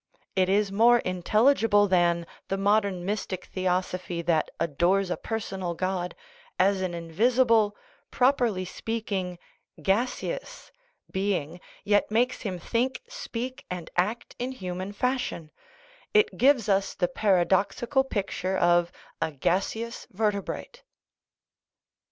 It is more intelligible than the modern mystic theosophy that adores a personal God as an invisible properly speaking, gaseous being, yet makes him think, speak, and act in human fashion ; it gives us the paradoxical picture of a " gaseous verte brate."